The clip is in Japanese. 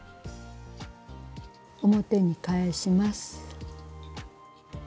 表に返します。